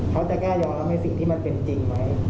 เขาจะกล้ายอมรับในสิ่งที่มันเป็นจริงไหม